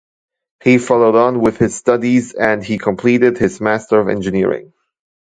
He followed on with his studies and he completed his Master of Engineering.